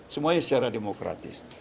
semuanya secara demokratis